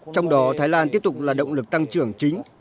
trong đó thái lan tiếp tục là động lực tăng trưởng chính